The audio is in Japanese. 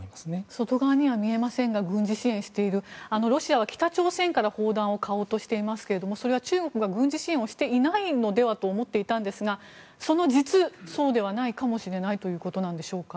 外側には見えませんが軍事支援しているロシアは北朝鮮から砲弾を買おうとしていますけれどそれは中国が軍事支援をしていないのではと思っていたんですがその実そうではないかもしれないということなんでしょうか。